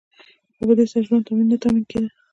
خو په دې سره ژوند نه تأمین کیده.